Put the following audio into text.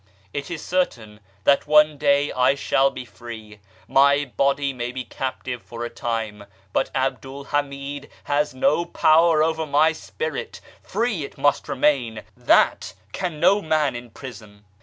It is certain that one day I shall be free. My body may be captive for a time, but Abdul Hamid has no power over my spirit free it must remain that can no man imprison."